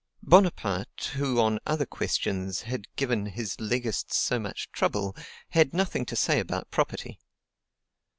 Bonaparte, who on other questions had given his legists so much trouble, had nothing to say about property.